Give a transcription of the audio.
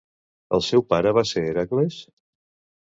El seu pare va ser Hèracles?